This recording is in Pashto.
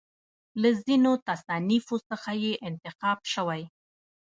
له ځینو تصانیفو څخه یې انتخاب شوی.